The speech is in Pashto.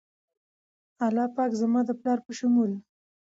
الله پاک د زما د پلار په شمول